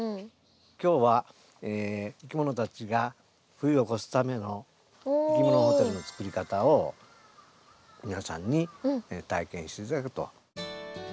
今日はいきものたちが冬を越すためのいきものホテルの作り方を皆さんに体験して頂くと。